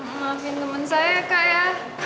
memaafin temen saya ya kak ya